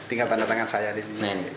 tinggal tanda tangan saya di sini